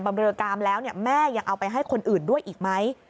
เรือกามแล้วแม่ยังเอาไปให้คนอื่นด้วยอีกไหม